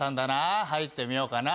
入ってみようかな。